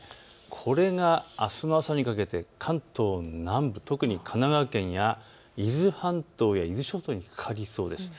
これがあすの朝にかけて関東の南部、特に神奈川県や伊豆半島や伊豆諸島にかかりそうです。